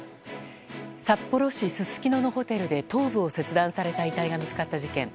札幌市すすきののホテルで頭部を切断された遺体が見つかった事件。